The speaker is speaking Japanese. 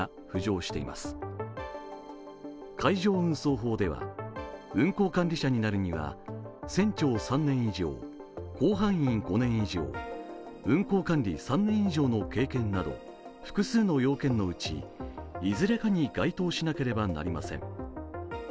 海上運送法では、運航管理者になるには船長３年以上、甲板員５年以上運航管理３年以上の経験など複数の要件のうちいずれかに該当しなければなりません。